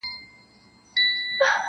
• مستانه باندي ورتللو -